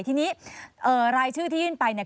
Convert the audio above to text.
ทีนี้รายชื่อที่ยื่นไปเนี่ย